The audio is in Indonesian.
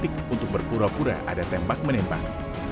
di titik untuk berpura pura ada tembak menembak